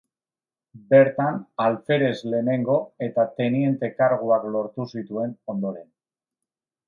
Bertan alferez lehenengo eta teniente karguak lortu zituen, ondoren.